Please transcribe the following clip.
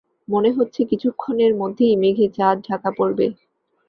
মনে হচ্ছে কিছুক্ষণের মধ্যেই মেঘে চাঁদ ঢাকা পড়বে।